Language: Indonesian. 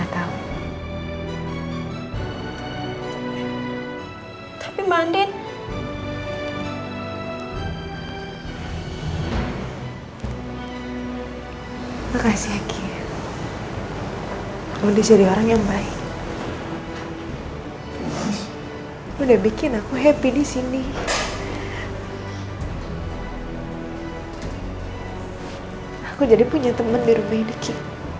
atau aku hanya terlalu lelah menikmati luka ini